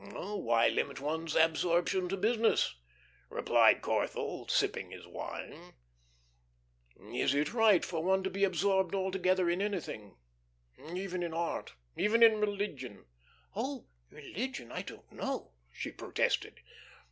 "Oh, why limit one's absorption to business?" replied Corthell, sipping his wine. "Is it right for one to be absorbed 'altogether' in anything even in art, even in religion?" "Oh, religion, I don't know," she protested.